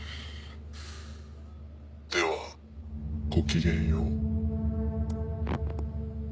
ではごきげんよう。